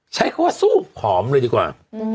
ใช้คำว่าสู้ผอมเลยดีกว่า